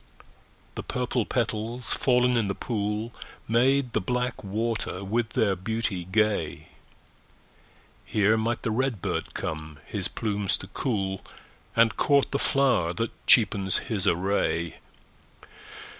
The purple petals, fallen in the pool, Made the black water with their beauty gay; Here might the red bird come his plumes to cool, And court the flower that cheapens his array.